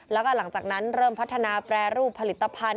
แล้วก็หลังจากนั้นเริ่มพัฒนาแปรรูปผลิตภัณฑ